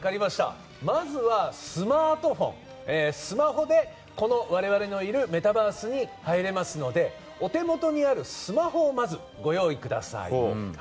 まずは、スマホで我々のいるメタバースに入れますのでお手元にあるスマホをまずご用意ください。